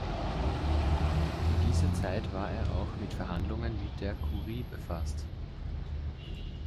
In dieser Zeit war er auch mit Verhandlungen mit der Kurie befasst.